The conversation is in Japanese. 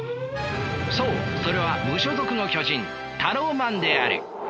そうそれは無所属の巨人タローマンである。